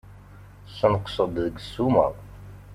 Sneqseɣ-d deg ssuma.